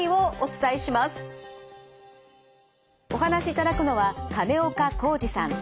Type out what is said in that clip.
お話しいただくのは金岡恒治さん。